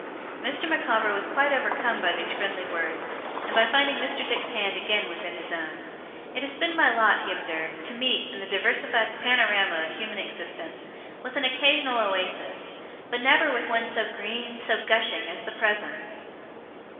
Mr. Micawber was quite overcome by these friendly words, and by finding Mr. Dick's hand again within his own. 'It has been my lot,' he observed, 'to meet, in the diversified panorama of human existence, with an occasional oasis, but never with one so green, so gushing, as the present!